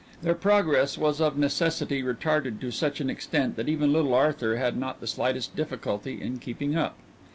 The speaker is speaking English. Their progress was of necessity retarded to such an extent that even little Arthur had not the slightest difficulty in keeping up.